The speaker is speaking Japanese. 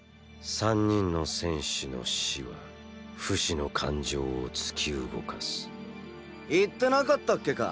３人の戦士の死はフシの感情を突き動かす言ってなかったっけか？